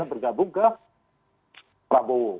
bergabung ke prabowo